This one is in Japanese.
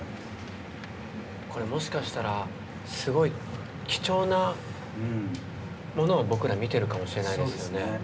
もしかしたら、すごい貴重なものを、僕ら見ているかもしれないですね。